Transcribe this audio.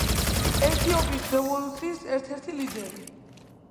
ეთიოპიის რევოლუციის ერთ-ერთი ლიდერი.